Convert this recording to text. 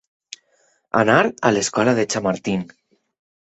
Anar a l'escola de Chamartín.